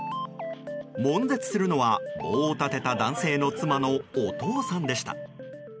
悶絶するのは、棒を立てた男性の妻のお父さんでした。